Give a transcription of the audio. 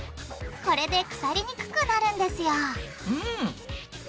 これで腐りにくくなるんですようん！